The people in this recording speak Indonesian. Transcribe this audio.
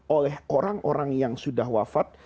oleh orang orang yang sudah wafat